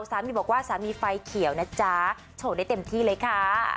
สามีบอกว่าสามีไฟเขียวนะจ๊ะโชว์ได้เต็มที่เลยค่ะ